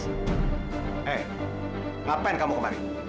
eh ngapain kamu kemarin